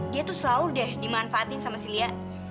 dia tuh selalu deh dimanfaatin sama si lia